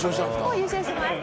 もう優勝します。